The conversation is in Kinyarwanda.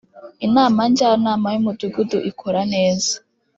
Inama Njyanama y ‘Umudugudu ikora neza.